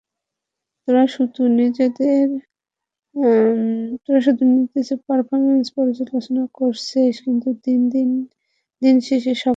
তারা শুধু নিজেদের পারফরম্যান্স পর্যালোচনা করেছে এবং দিন শেষে সফল হয়েছে।